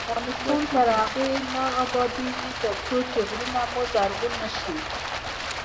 افغانستان تر هغو نه ابادیږي، ترڅو غرونه مو زرغون نشي.